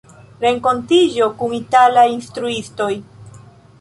Renkontiĝo kun italaj instruistoj.